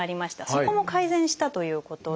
そこも改善したということで。